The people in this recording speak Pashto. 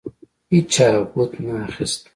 هیچا بت نه اخیست.